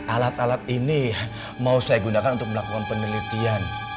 alat alat ini mau saya gunakan untuk melakukan penelitian